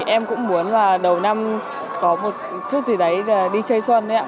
em cũng muốn vào đầu năm có một chút gì đấy là đi chơi xuân đấy ạ